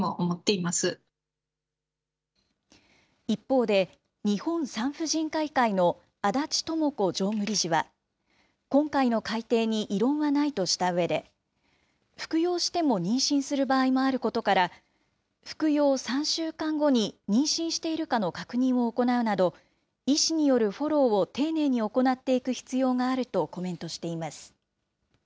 一方で、日本産婦人科医会の安達知子常務理事は、今回の改訂に異論はないとしたうえで、服用しても妊娠する場合もあることから、服用３週間後に妊娠しているかの確認を行うなど、医師によるフォローを丁寧に行っていく必要があるとコメントしています。